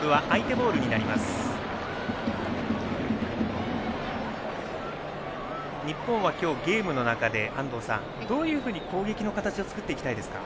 安藤さん、日本は今日ゲームの中でどういうふうに攻撃の形を作っていきたいですか。